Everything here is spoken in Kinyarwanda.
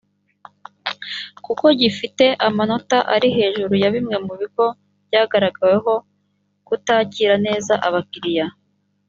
kuko gifite amanota ari hejuru ya bimwe mu bigo byagaragaweho kutakira neza abakiliya